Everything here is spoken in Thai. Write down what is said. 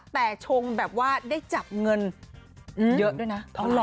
แต่ชงแบบว่าได้จับเงินเยอะด้วยนะ